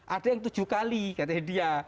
ada yang tujuh kali katanya dia